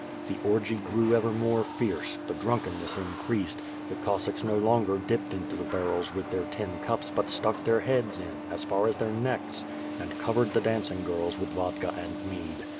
The orgy grew ever more fierce, the drunkenness increased, the Cossacks no longer dipped into the barrels with their tin cups but stuck their heads in, as far as their necks, and covered the dancing girls with vodka and mead.